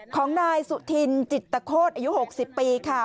ของนายสุธินจิตโคตรอายุ๖๐ปีค่ะ